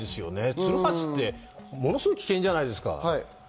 つるはしってものすごい危険じゃないですか。